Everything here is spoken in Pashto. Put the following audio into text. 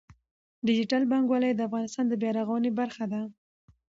ډیجیټل بانکوالي د افغانستان د بیا رغونې برخه ده.